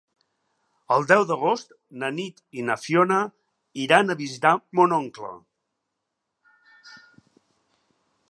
El deu d'agost na Nit i na Fiona iran a visitar mon oncle.